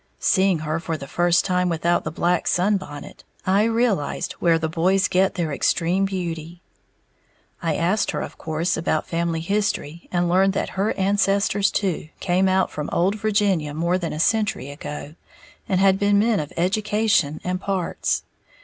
Seeing her for the first time without the black sunbonnet, I realized where the boys get their extreme beauty. I asked her, of course, about family history, and learned that her ancestors, too, came out from Old Virginia more than a century ago, and had been men of education and parts.